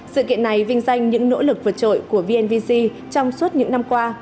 sự kiện này vinh danh những nỗ lực vượt trội của vnvc trong suốt những năm qua